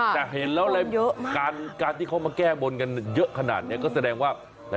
แต่เห็นแล้วการที่เขามาแก้บนกันเยอะขนาดนี้ก็แสดงว่า